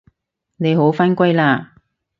你好返歸喇